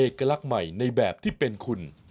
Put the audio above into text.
สนับสนุนโดยเอกลักษณ์ใหม่ในแบบที่เป็นคุณโอลี่คัมรี่